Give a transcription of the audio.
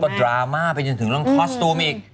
ดราม่าไปจนถึงเรื่องคอสตูมอีก